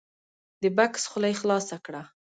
د بکس خوله یې خلاصه کړه !